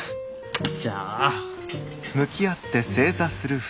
じゃあ。